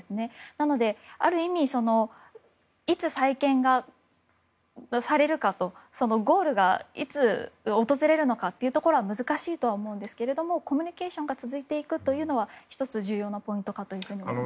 なので、ある意味いつ再建がされるかゴールがいつ訪れるのかというところは難しいと思うんですけどコミュニケーションが続いていくというのは１つ、重要なポイントだと思います。